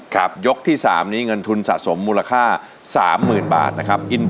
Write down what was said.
ครับยกที่สามนี้เงินทุนสะสมมูลค่าสามหมื่นบาทนะครับ